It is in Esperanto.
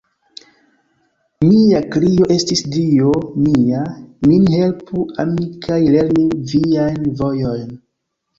Mia krio estis, Dio mia, min helpu ami kaj lerni Viajn vojojn.